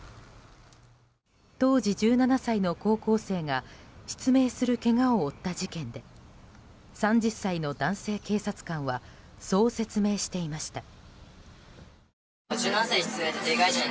当時１７歳の高校生が失明するけがを負った事件で３０歳の男性警察官はそう説明していました。